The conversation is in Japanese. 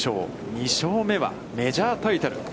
２勝目はメジャータイトル。